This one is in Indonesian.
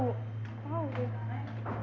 gak tau deh